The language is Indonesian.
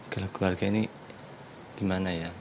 keluarga ini gimana ya